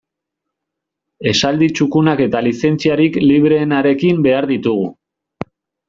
Esaldi txukunak eta lizentziarik libreenarekin behar ditugu.